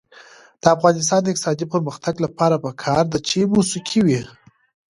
د افغانستان د اقتصادي پرمختګ لپاره پکار ده چې موسیقي وي.